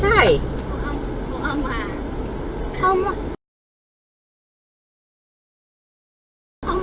เอามาเป็นลูก